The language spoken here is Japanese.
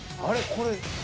これ。